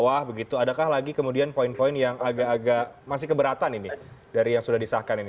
adakah lagi kemudian poin poin yang agak agak masih keberatan ini dari yang sudah disahkan ini